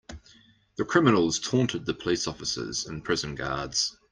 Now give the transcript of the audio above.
The criminals taunted the police officers and prison guards.